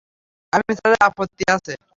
আমি চালালে আপত্তি আছে?